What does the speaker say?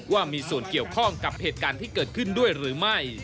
ว่ามีส่วนเกี่ยวข้องกับเหตุการณ์ที่เกิดขึ้นด้วยหรือไม่